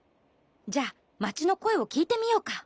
じゃあまちのこえをきいてみようか。